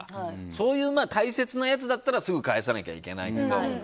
そういう大切なやつだったらすぐ返さなきゃいけないけど。